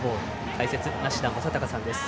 解説・梨田昌孝さんです。